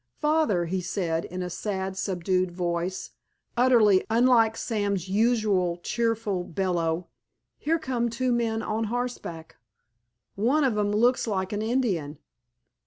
"Father," he said, in a sad, subdued voice, utterly unlike Sam's usual cheerful bellow, "here come two men on horseback. One of 'em looks like an Indian."